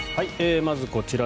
まず、こちら。